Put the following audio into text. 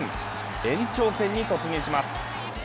延長戦に突入します。